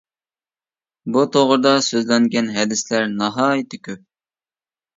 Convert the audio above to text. بۇ توغرىدا سۆزلەنگەن ھەدىسلەر ناھايىتى كۆپ.